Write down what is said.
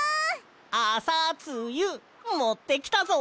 あさつゆもってきたぞ！